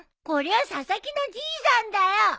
これは佐々木のじいさんだよ。